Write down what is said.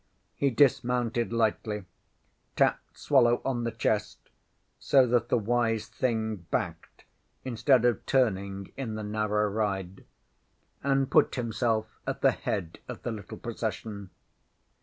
ŌĆÖ He dismounted lightly, tapped Swallow on the chest, so that the wise thing backed instead of turning in the narrow ride, and put himself at the head of the little procession.